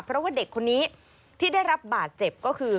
เพราะว่าเด็กคนนี้ที่ได้รับบาดเจ็บก็คือ